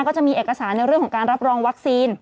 ก็จะมีเอกสารในเรื่องของการรับรองวัคซีน